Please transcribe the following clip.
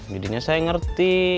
judinya saya ngerti